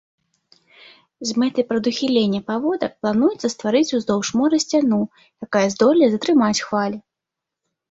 З мэтай прадухілення паводак плануецца стварыць уздоўж мора сцяну, якая здолее затрымаць хвалі.